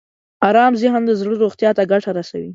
ارام ذهن د زړه روغتیا ته ګټه رسوي.